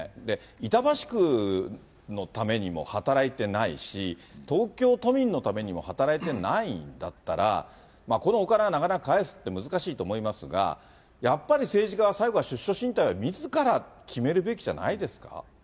板橋区のためにも働いてないし、東京都民のためにも働いてないんだったら、このお金はなかなか返すって難しいと思いますが、やっぱり政治家は、最後は出処進退はみずから決めるべきじゃないですか。